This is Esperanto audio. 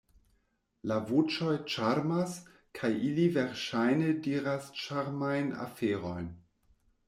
La voĉoj ĉarmas, kaj ili verŝajne diras ĉarmajn aferojn.